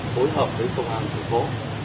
phối hợp với công an thành phố